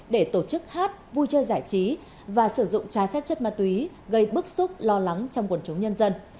để tổ chức hát vui chơi giải trí và sử dụng trái phép chất ma túy gây bức xúc lo lắng trong quần chúng nhân dân